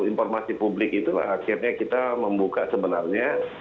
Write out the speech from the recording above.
informasi publik itulah akhirnya kita membuka sebenarnya